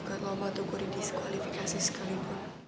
keelomba tukuri disqualifikasi sekalipun